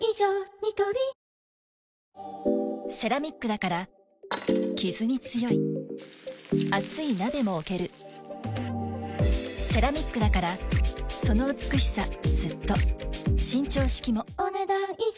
ニトリセラミックだからキズに強い熱い鍋も置けるセラミックだからその美しさずっと伸長式もお、ねだん以上。